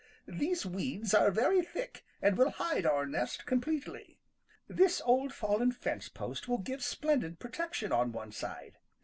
These weeds are very thick and will hide our nest completely. This old fallen fence post will give splendid protection on one side.